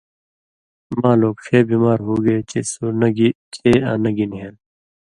مال ووک ݜے بیمار ہوگے چے سو نہ گی کھے آں نہ گی نھېل